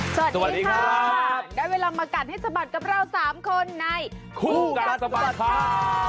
สวัสดีค่ะได้เวลามากัดให้สะบัดกับเรา๓คนในคู่กัดสะบัดข่าว